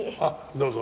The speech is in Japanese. どうぞ。